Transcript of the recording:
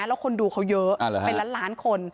แล้วคนมีคนดูเขาเยอะ๑ล้านคน